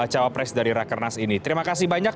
cawapres dari rakernas ini terima kasih banyak